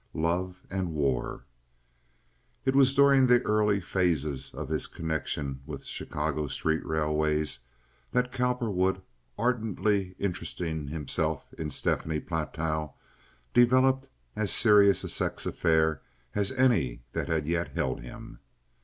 Love and War It was during the earlier phases of his connection with Chicago street railways that Cowperwood, ardently interesting himself in Stephanie Platow, developed as serious a sex affair as any that had yet held him.